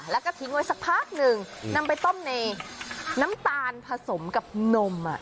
แล้วก็ทิ้งไว้สักพักหนึ่งนำไปต้มในน้ำตาลผสมกับนม